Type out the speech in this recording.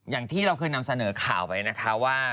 อย่างที่เราเคยนำเสนอข่าวไปนะคะว่า